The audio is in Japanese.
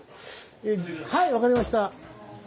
はい分かりました。